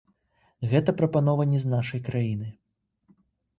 Гэта прапанова не з нашай краіны.